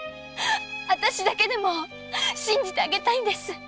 あたしだけでも信じてあげたいんです。